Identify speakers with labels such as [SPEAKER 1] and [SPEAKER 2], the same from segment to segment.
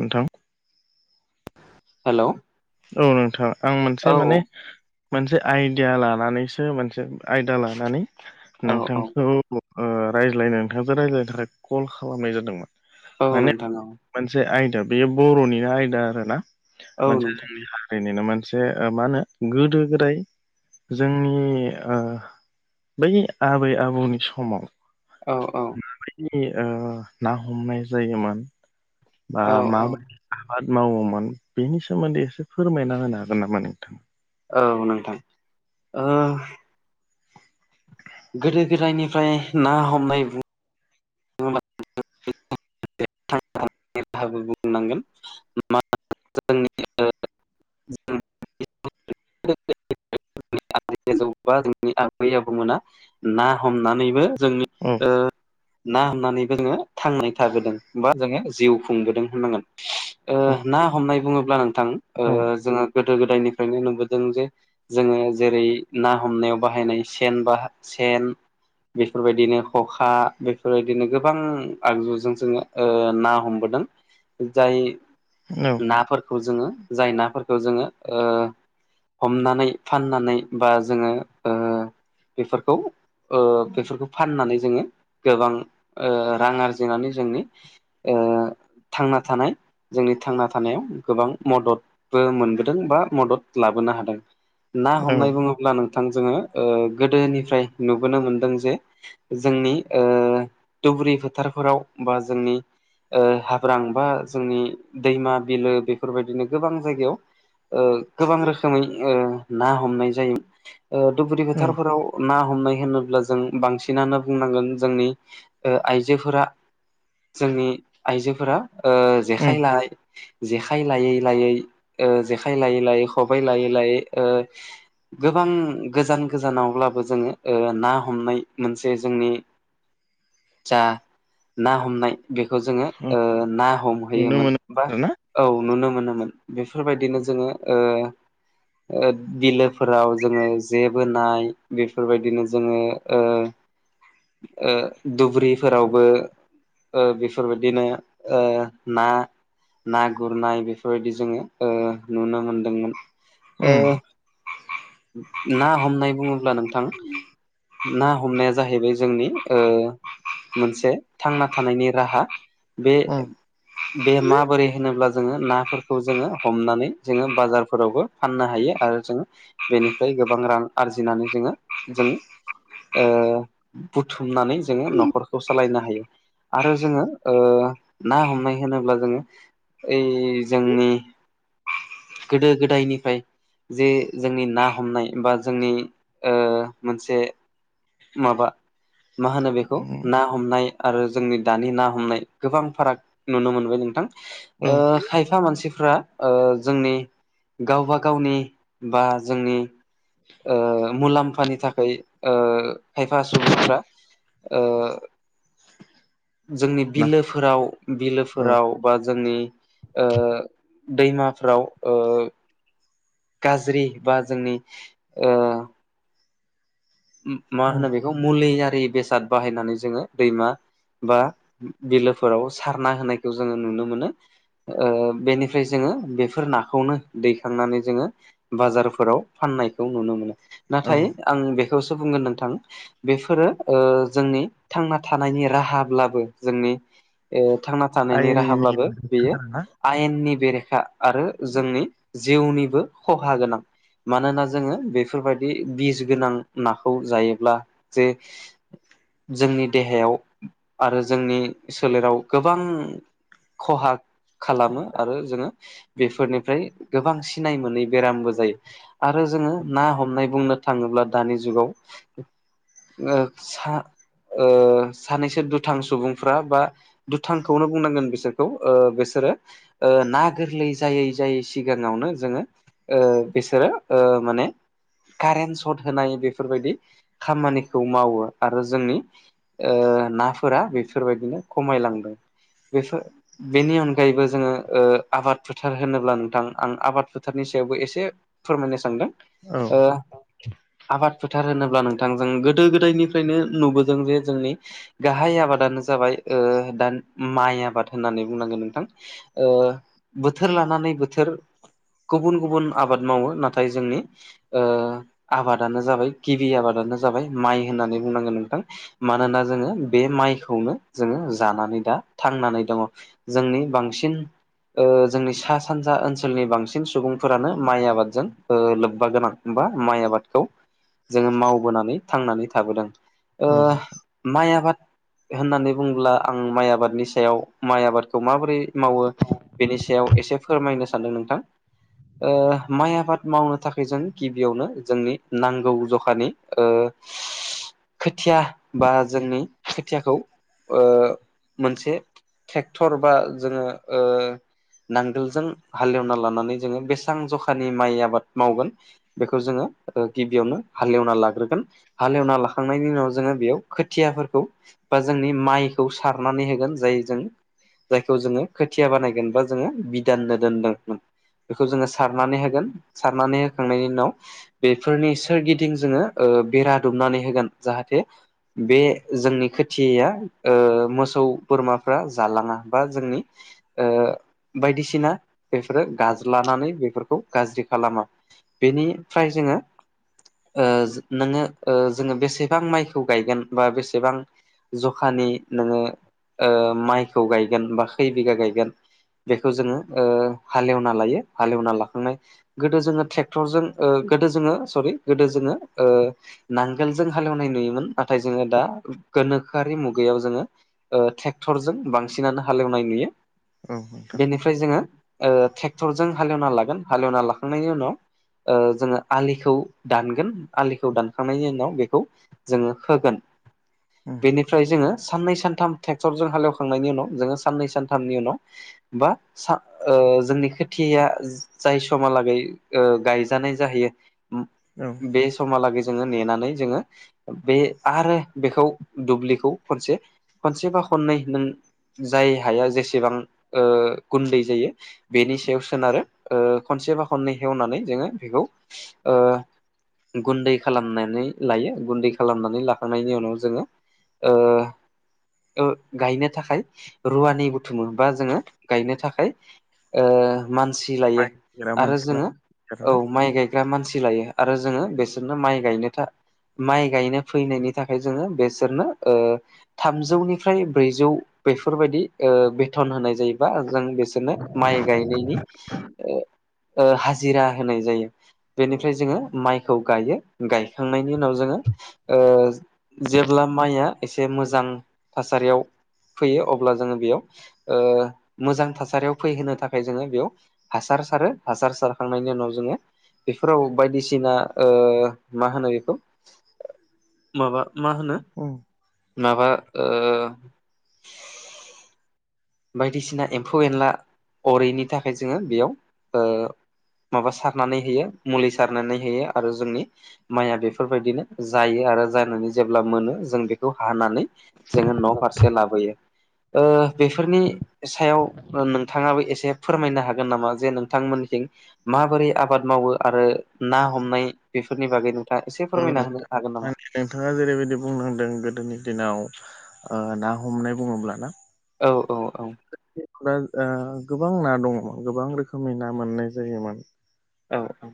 [SPEAKER 1] नोंथां।
[SPEAKER 2] हेलौ
[SPEAKER 1] औ नोंथां आं मोनसे
[SPEAKER 2] औ
[SPEAKER 1] माने मोनसे आइडिया लानानैसो मोनसे आयदा लानानै नोंथां। औ रायज्लायनो नोंथाङो रायज्लायनो थाखाय कल खालामनाय जादोंमोन
[SPEAKER 2] औ
[SPEAKER 1] माने
[SPEAKER 2] नोंथां औ
[SPEAKER 1] मोनसे आयदा बेयो बर'निनो आयदा आरोना
[SPEAKER 2] औ
[SPEAKER 1] मोनसे
[SPEAKER 2] नोंथां
[SPEAKER 1] जोंनि ओनिनो मोनसे मा होनो गोदो गोदाय जोंनि बै आबै आबौनि समाव
[SPEAKER 2] औ औ।
[SPEAKER 1] बेदि ना हमनाय जायोमोन। बा
[SPEAKER 2] औ औ
[SPEAKER 1] माबायदि आबाद मावोमोन बेनि सोमोन्दै एसे फोरमायना होनो हागोन नामा नोंथाङा
[SPEAKER 2] औ नोंथां। गोदो गोदायनिफ्राय ना हमनाय बुङोब्ला
[SPEAKER 1] [inaudible]
[SPEAKER 2] [unintelligible] बुंनांगोन मा जोंनि [unintelligible]
[SPEAKER 1] [inaudible]
[SPEAKER 2] [unintelligible] जौ जोंनि आबै आबौमोना ना हमनानैबो जोंनि
[SPEAKER 1] औ
[SPEAKER 2] ओ ना हमनानै जोङो थांनाय थाबोदों बा जोङो जिउ खुंबोदों
[SPEAKER 1] औ
[SPEAKER 2] होननांगोन ना हमनाय बुङोब्ला नोंथां
[SPEAKER 1] औ
[SPEAKER 2] जोंङो गोदो गोदायनिफ्रायनो नुबोदों जे जोङो जेरै ना हमनायाव बाहायनाय सेन ब सेन बेफोरबायदिनो खखा बेफोरबायदिनो गोबां आगजुजों जोङो ना हमबोदों जाय नाफोरखौ जोङो जाय नाफोरखौ जोङो हमनानै फाननानै बा जोङो बेफोरखौ ओ बेफोरखौ फाननानै जोङो गोबां ओ रां आरजिनानै जोंनि थांना थानाय जोंनि थांना थानायाव गोबां मददबो मोनबोदों बा मदद लाबोनो हादों ना
[SPEAKER 1] औ
[SPEAKER 2] हमनाय बुङोब्ला नों जोङो गोदोनिफ्राय नुबोनो मोनदों जे जोंनि दुबुरि फोथारफोराव बा जोंनि ओ हाब्रां बा जोंनि दैमा बिलो बेफोरबायदिनो गोबां जायगायाव ओ गोबां रोखोमै ओ ना हमनाय जायो धुबुरि
[SPEAKER 1] औ
[SPEAKER 2] फोथारफोराव ना हमनाय होनोब्ला जों बांसिनानो बुंनांगोन जोंनि ओ आइजोफोरा जोंनि आइजोफोरा ओ
[SPEAKER 1] उम
[SPEAKER 2] जेखाइ लानाय जेखाय लायै लायै जेखाय लायै लायै खबायाइ लायै लायै गोबां गोजान गोजानावब्लाबो जोङो ना हमनाय मोनसे जोंनि जा ना हमनाय बेखौ जोङो
[SPEAKER 1] उम
[SPEAKER 2] ना
[SPEAKER 1] नुनो
[SPEAKER 2] हमहैयोमोन
[SPEAKER 1] मोनो
[SPEAKER 2] बा
[SPEAKER 1] आरोना
[SPEAKER 2] औ नुनो मोनोमोन बेफोरबायदिनो जोङो बिलोफोराव जोङो जे बोनाय बेफोरबायदिनो जोङो
[SPEAKER 1] [inaudible]
[SPEAKER 2] ओ दुब्रिफोरावबो ओ बेफोरबायदिनो ओ ना ना गुरनाय बेफोरबायदि जोङो नुनो मोनदोंमोन
[SPEAKER 1] उम
[SPEAKER 2] ना हमनाय बुङोब्ला नोंथां ना हमनाया जाहैबाय जोंनि मोनसे थांना थानायनि राहा बे
[SPEAKER 1] उम
[SPEAKER 2] बे माबोरै होनोब्ला जोङो नाफोरखौ जोङो हमनानै जोङो बाजारफोरावबो फाननो हायो आरो जों बेनिफ्राय गोबां रां आरजिनानै जोङो जों ओ बुथुमनानै जोङो न'खरखौ सालायनो हायो आरो जोङो ना हमनाय होनोब्ला जोङो ओइ जोंनि गोदो गोदायनिफ्राय जे जोंनि ना हमनाय बा जोंनि ओ मोनसे माबा मा होनो बेखौ
[SPEAKER 1] उम
[SPEAKER 2] ना हमनाय आरो जोंनि दानि ना हमनाय गोबां फाराग नुनो मोनबाय
[SPEAKER 1] औ
[SPEAKER 2] नोंथां खायफा मानसिफ्रा जोंनि गावबा गावनि बा जोंनि ओ मुलाम्फानि थाखाय खायफा सुबुंफ्रा ओ जोंनि
[SPEAKER 1] ना
[SPEAKER 2] बिलोफोराव
[SPEAKER 1] औ
[SPEAKER 2] बिलोफोराव बा जोंनि ओ दैमाफ्राव ओ गाज्रि बा जोंनि ओ मा
[SPEAKER 1] उम
[SPEAKER 2] होनो बेखौ मुलि आरि बेसाद बाहायनानै जोङो दैमा बा बिलोफोराव सारना होनायखौ जोङो नुनो मोनो। बेनिफ्राय जोङो बेफोर नाखौनो दैखांनानै जोङो बाजारफोराव फाननायखौ नुनो मोनो
[SPEAKER 1] औ
[SPEAKER 2] नाथाय आं बेखौसो बुंगोन नोंथां बेफोरो जोंनि थांना थानायनि राहाब्लाबो जोंनि थांना थानायनि
[SPEAKER 1] आयेननि
[SPEAKER 2] राहाब्लाबो बेयो
[SPEAKER 1] ना
[SPEAKER 2] आयेननि बेरेखा आरो
[SPEAKER 1] औ
[SPEAKER 2] जोंनि जिउनिबो खहा गोनां मानोना जोङो बेफोरबायदि बिस गोनां नाखौ जायोब्ला जे जोंनि देहायाव आरो जोंनि सोलेराव गोबां खहाग खालामो आरो जोङो बेफोरनिफ्राय गोबां सिनाय मोनै बेरामबो जायो। आरो जोङो ना हमनाय बुंनो थाङोब्ला दानि जुगाव सानैसो दुथां सुबुंफ्रा बा दुथांखौनो बुंनांगोन बिसोरखौ बिसोरो ओ ना गोरलै जायै जायै सिगाङावनो जोङो ओ बिसोरो ओ माने कारेन सर्ट होनाय बेफोरबायदि खामानिखौ मावो आरो जोंनि ओ नाफोरा बेफोरबायदिनो खमायलांदों बेफोर बेनि अनगायैबो जोङो ओ आबाद फोथार होनोब्ला नोंथां आं आबाद फोथारनि सायावबो एसे फोरमायनो सानदों
[SPEAKER 1] औ
[SPEAKER 2] ओ आबाद फोथार होनोब्ला नोंथांजों गोदो गोदायनिफ्रायनो नुबोदों जे जोंनि गाहाय आबादानो जाबाय दा माइ आबाद होननानै बुंनांगोन नोंथां। बोथोर लानानै बोथोर गुबुन गुबुन आबाद मावो नाथाय जोंनि ओ आबादानो जाबाय गिबि आबादानो जाबाय माइ होननानै बुंनांगोन नोंथां। मानोना जोङो बे माइखौनो जोङो जानानै दा थांनानै दङ। जोंनि बांसिन ओ जोंनि सा सानजा ओनसोलनि बांसिन सुबुंफोरानो माइ आबादजों ओ लोब्बा गोनां। बा माइ आबादखौ जोङो मावबोनानै थांनानै थाबोदों ओ
[SPEAKER 1] औ
[SPEAKER 2] माइ आबाद होननानै बुङोब्ला आं माइ आबादनि सायाव माइ आबादखौ माबोरै मावो? बेनि सायाव एसे फोरमायनो सान्दों नोंथां। ओ माइ आबाद मावनो थाखाय जों गिबियावनो जोंनि नांगौ जखानि ओ खोथिया बा जोंनि खोथियाखौ ओ मोनसे ट्रेक्टर बा जोङो ओ नांगोलजों हाल एवना लानानै जोङो बेसां जखानि माइ आबाद मावगोन बेखौ जोङो ओ गिबियावनो हाल एवना लाग्रोगोन हाल एवना लाखांनायनि उनाव जोङो बेयाव खोथियाफोरखौ बा जोंनि माइखौ सारनानै होगोन जाय जों जायखौ जोङो खोथिया बानायगोन बा जोङो बिदाननो दोनदोंमोन। बेखौ जोङो सारनानै होगोन सारनानै होखांनायनि उनाव बेफोरनि सोरगिदिं जोङो बेरा ओ दुमनानै होगोन जाहाथे बे जोंनि खोथिया मोसौ बोरमाफ्रा जालाङा बा जोंनि ओ बायदिसिना बेफोरो गाज्लानानै बेफोरखौ गाज्रि खालामा। बेनिफ्राय जोङो ओ नोङो ओ जोङो बेसेबां माइखौ गायगोन बा बेसेबां जखानि नोङो ओ माइखौ गायगोन बा खै बिगा गायगोन बेखौ जोङो हाल एवना लायो हाल एवना लाखांनाय गोदो जोङो ट्रेक्टरजों ओ गोदो जोङो सरि गोदो जोङो ओ नांगोलजों हाल एवनाय नुयोमोन नाथाय जोङो दा गोनोखोआरि मुगायाव जोङो ओ ट्रेक्टरजों बांसिनानो हाल एवनाय नुयो।
[SPEAKER 1] औ नोंथां
[SPEAKER 2] ओमफ्राय जोङो ओ ट्रेक्टरजों हाल एवना लागोन हाल एवना लाखांनायनि उनाव। ओ जोङो आलिखौ दानगोन आलिखौ दानखांनायनि उनाव बेखौ जोङो खोगोन।
[SPEAKER 1] उम
[SPEAKER 2] बेनिफ्राय जोङो साननै सानथाम ट्रेक्टरजों हालेवखांनायनि उनाव जोङो साननै सानथामनि उनाव। बा सा ओ जोंनि खोथिया जाय समहालागै ओ गाय जाहैयो
[SPEAKER 1] औ
[SPEAKER 2] बे समहालागै जोङो नेनानै जोङो बे आरो बेखौ दुब्लिखौ खनसे खनसेबा खननै नों जाय हाया जेसेबां ओ गुन्दै जायो बेनि सायाव सोनारो खनसेबा खननै हेवनानै जोङो बेखौ ओ गुन्दै खालामनानै लायो गुन्दै खालामनानै लाखांनायनि उनाव जोंङो। ओ गायनो थाखाय रुवानि बुथुमो बा जोंङो गायनो थाखाय मानसि लायो
[SPEAKER 1] नागिरा
[SPEAKER 2] आरो
[SPEAKER 1] मानसि
[SPEAKER 2] जोंङो।
[SPEAKER 1] नागिरो
[SPEAKER 2] औ
[SPEAKER 1] आरोना
[SPEAKER 2] माइ गायग्रा मानसि लायो आरो जोंङो बेसोरनो माइ गायनो था माइ गायनो फैनायनि थाखाय जोंङो बेसोरनो थामजौनिफ्राय ब्रैजौ बेफोरबायाददि बेथन होनाय जायोबा जों बे बिसोरनो माइ गायनायनि ओ हाजिरा होनाय जायो
[SPEAKER 1] औ
[SPEAKER 2] बेनिफ्राय जोङो माइखौ गायो गायखांनायनि उनाव जोङो ओ जेब्ला माइया एसे मोजां थासारियाव फैयो अब्ला जोङो बेयाव ओ मोजां थासारियाव फैहोनो थाखाय जोङो बेयाव हासार सारो हासार सारखांनायनि उनाव जोङो बेफोराव बायदिसिना ओ मा होनो बेखौ माबा मा होनो
[SPEAKER 1] उम
[SPEAKER 2] माबा ओ बायदिसिना एम्फौ एनला अरैनि थाखाय जोंङो बेयाव माबा सारनानै होयो मुलि सारनानै होयो आरो जोंनि माइया बेफोरबायदिनो जायो आरो जानानै जेब्ला मोनो जों बेखौ हानानै जोंङो न' फारसे लाबोयो बे बेफोरनि सायाव नोंथांङाबो एसे फोरमायनो हागोन नामा जे नोंथांमोनसिं माबोरै आबाद मावो आरो ना हमनाय बेफोरनि बागैनो दा एसे
[SPEAKER 1] औ नों
[SPEAKER 2] फोरमायना होनो हागोन नामा?
[SPEAKER 1] माने नोंथाङा जेरैबायदि बुंनांदों गोदोनि दिनाव ना हमनाय बुंङोब्लाना।
[SPEAKER 2] औ औ औ।
[SPEAKER 1] गोबां ना दंङोमोन गोबां रोखोमनि ना मोननाय जायोमोन
[SPEAKER 2] औ औ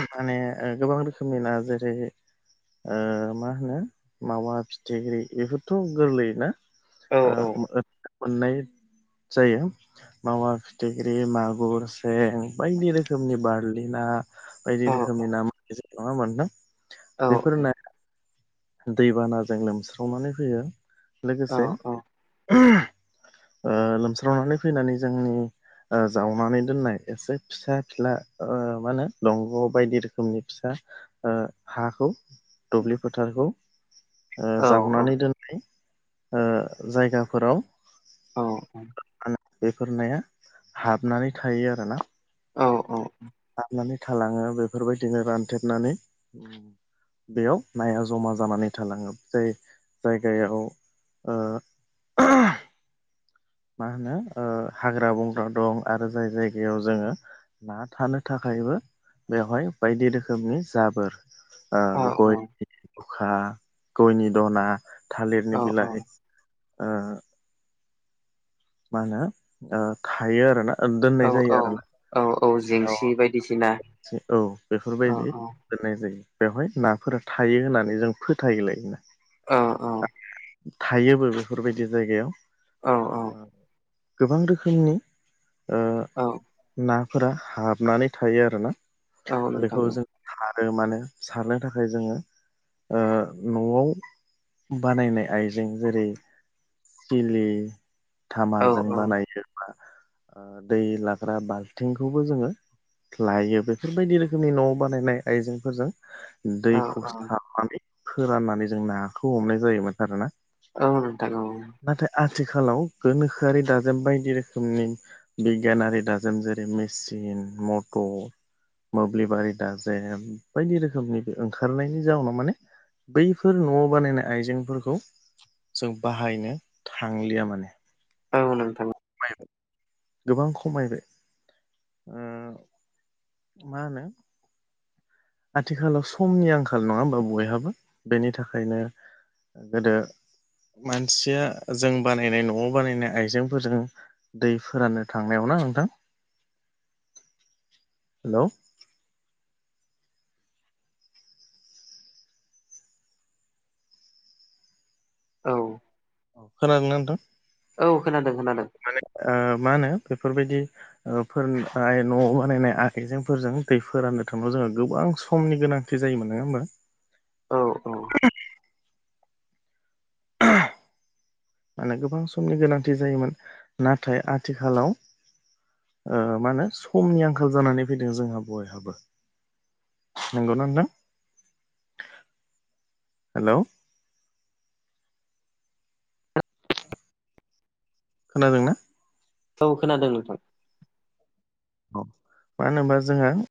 [SPEAKER 1] माने गोबां रोखोमनि न' जेरै मा होनो मावा फिथिख्रि बेफोरथ' गोरलैया ना?
[SPEAKER 2] औ
[SPEAKER 1] मोननाय जायो मावा फिथिख्रि मागुर सें बायदि रोखोमनि बारलि ना बायदि
[SPEAKER 2] औ
[SPEAKER 1] रोखोमनि ना मसि नंङा होनबा नोंथां?
[SPEAKER 2] औ
[SPEAKER 1] बेफोर
[SPEAKER 2] औ
[SPEAKER 1] दैबानाजों लोमस्रावनानै फैयो
[SPEAKER 2] औ
[SPEAKER 1] लोगोसे
[SPEAKER 2] औ
[SPEAKER 1] लोमस्रावनानै फैनानै जोंनि जावनानै दोननाय एसे फिसा फिला मा होनो दंग' बायदि रोखोमनि फिसा हाखौ दुब्लि फोथारखौ
[SPEAKER 2] औ
[SPEAKER 1] जावनानै दोननाय जायगाफोराव
[SPEAKER 2] औ औ
[SPEAKER 1] बेफोर नाया हाबनानै थायो आरोना
[SPEAKER 2] औ औ
[SPEAKER 1] हाबनानै थालाङो बेफोरबायदिनो रानथेबनानै बेयाव नाया जमा जानानै थालांङो जाय जायगायाव ओ मा होनो हाग्रा बंग्रा दं आरो जाय जायगायाव जोंङो ना थानो थाखायबो बेवहाय बायदि रोखोमनि जाबोर औ गयनि दखा गयनि दना थालिरनि
[SPEAKER 2] औ औ
[SPEAKER 1] बिलाइ ओ मा होनो खायो आरोना
[SPEAKER 2] औ
[SPEAKER 1] दोननाय जायो
[SPEAKER 2] औ
[SPEAKER 1] आरोना
[SPEAKER 2] औ औ जेंसि बायदिसिना
[SPEAKER 1] औ
[SPEAKER 2] औ
[SPEAKER 1] बेफोरबायदि
[SPEAKER 2] औ
[SPEAKER 1] दोननाय जायो बेवहाय नाफोरा थायो होननानै जों फोथायोलायोना
[SPEAKER 2] अ अ
[SPEAKER 1] थायोबो बेफोरबायदि जायगायाव
[SPEAKER 2] औ
[SPEAKER 1] गोबां रोखोमनि
[SPEAKER 2] औ
[SPEAKER 1] ना फोरा हाबनानै थायो आरोना
[SPEAKER 2] औ नोंथां
[SPEAKER 1] बेखौ जों सारो मानो सारनो थाखाय जोङो ओ न'आव बानायनाय आइजें जेरै सिलि
[SPEAKER 2] औ औ
[SPEAKER 1] धामाजों बानायो ओ दै लाग्रा बाल्थिंखौबो जोङो लायो बेफोर बायदि रोखोमनि न'आव बानायनाय आइजेंफोरजों
[SPEAKER 2] औ
[SPEAKER 1] दैखौ
[SPEAKER 2] औ
[SPEAKER 1] सारनानै फोराननानै जों नाखौ हमनाय जायोमोन आरोना
[SPEAKER 2] औ नोंथां औ
[SPEAKER 1] नाथाय आथिखालाव गोनोखोआरि दाजाब बायदि रोखोमनि बिगियानारि दाजोम जेरै मेसिन मटर मोब्लिबारि दाजे बायदि रोखोमनि बे ओंखारनायनि जाउनाव माने बैफोर न'आव बानायनाय आइजेंफोरखौ जों बाहायनो थांलिया माने
[SPEAKER 2] औ नोंथां।
[SPEAKER 1] गोबां खमायबाय ओ मा होनो आथिखालाव समनि आंखाल नङा होमबा बयहाबो बेनि थाखायनो गोदो मानसिया जों बानायनाय न'आव बानायनाय आइजेंफोरजों दै फोराननो थांनायावना नोंथां हेलौ
[SPEAKER 2] औ
[SPEAKER 1] खोनादों ना नोंथां
[SPEAKER 2] औ खोनादों खोनादों।
[SPEAKER 1] ओ मा होनो बेफोरबायदि ओ फोरनाय न'आव बानायनाय आखाइजेंफोरजों दैफोराननो थांनायाव जोङो गोबां समनि गोनां थि जोमोन नोङा होमबा
[SPEAKER 2] औ औ
[SPEAKER 1] मानो गोबां समनि गोनांथि जायोमोन नाथाय आथिखालाव ओ मानो समनि आंखाल जानानै फैदों जोंहा बयहाबो। नोंगौना नोंथां हेलौ खोनादों ना?
[SPEAKER 2] औ खोनादों नोंथां।
[SPEAKER 1] औ मानो होनबा जोंहा